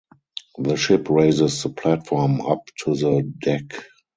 The ship raises the platform up to the deck.